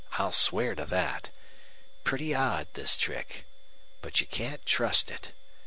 I'll swear to that. Pretty odd, this trick. But you can't trust it.